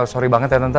sorry banget ya tante